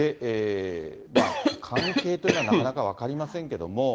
関係というのはなかなか分かりませんけれども。